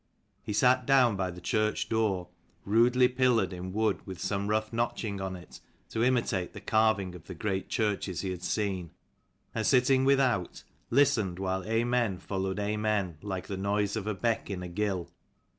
He sat down by the church door, rudely pillared in wood with some rough notching on it to imitate the carving of the great churches he had seen : and sitting with out, listened while Amen followed Amen like the noise of a beck in a gill.